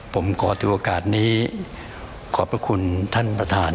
ผมขอถือโอกาสนี้ขอบพระคุณท่านประธาน